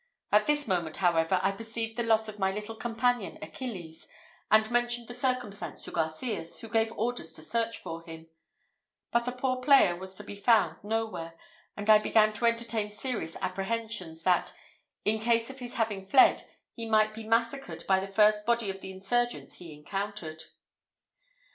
At this moment, however, I perceived the loss of my little companion, Achilles, and mentioned the circumstance to Garcias, who gave orders to search for him; but the poor player was to be found nowhere, and I began to entertain serious apprehensions, that, in case of his having fled, he might be massacred by the first body of the insurgents he encountered.